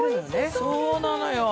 そうなのよ。